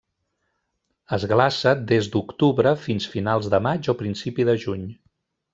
Es glaça des d'octubre fins finals de maig o principi de juny.